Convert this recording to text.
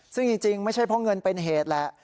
ซึ่งจริงไม่ใช่เพราะเงินเป็นเหตุแหละ